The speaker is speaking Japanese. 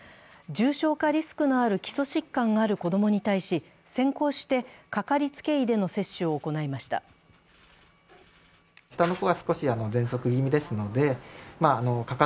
重症化リスクのある基礎疾患がある子供に対し先行してかかりつけ医での接種を行いました。